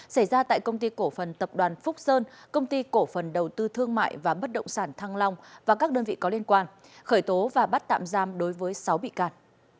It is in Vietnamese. xảy ra tại công ty cổ phần tập đoàn phúc sơn công ty cổ phần đầu tư thương mại và bất động sản thăng long và các đơn vị có liên quan khởi tố và bắt tạm giam đối với sáu bị can